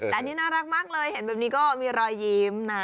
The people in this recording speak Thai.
แต่อันนี้น่ารักมากเลยเห็นแบบนี้ก็มีรอยยิ้มนะ